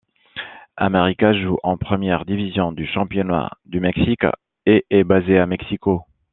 América joue en première division du championnat du Mexique, et est basé à Mexico.